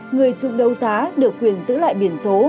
người chung đấu giá được quyền giữ lại biển số